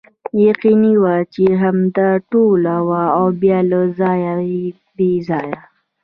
یقیني وه چې همدا ټوله وه او بیا له ځانه بې ځایه.